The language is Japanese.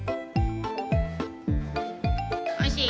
おいしい？